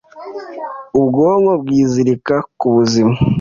ubwonko bwizirika ku buzima